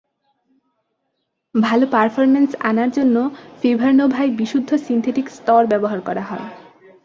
ভালো পারফরম্যান্স আনার জন্য ফিভারনোভায় বিশুদ্ধ সিনথেটিক স্তর ব্যবহার করা হয়।